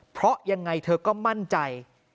เพราะยังไงเธอก็มั่นใจ